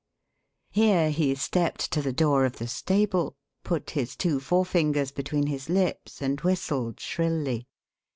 Here he stepped to the door of the stable, put his two forefingers between his lips and whistled shrilly.